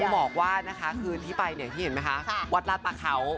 บอกว่านะคะคืนที่ไปเนี่ยที่เห็นไหมคะวัดราชประเขา